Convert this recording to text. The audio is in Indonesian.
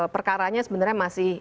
perkaranya sebenarnya masih